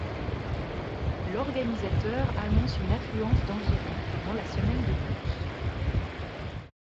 L'organisateur annonce une affluence d'environ pendant la semaine de course.